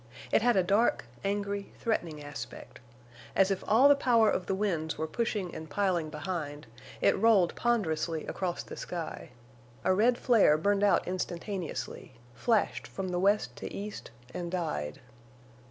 It had a dark, angry, threatening aspect. As if all the power of the winds were pushing and piling behind, it rolled ponderously across the sky. A red flare burned out instantaneously, flashed from the west to east, and died.